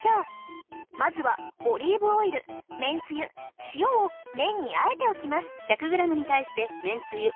まずはオリーブオイルめんつゆ塩を麺に和えておきます